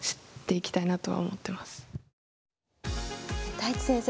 太地先生